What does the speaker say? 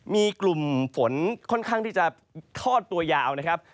มีกลุ่มฝนค่อนข้างที่จะทอดตัวยาวนะครับ